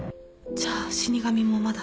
じゃあ死神もまだ？